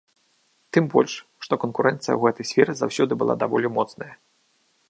Тым больш, што канкурэнцыя ў гэтай сферы заўсёды была даволі моцная.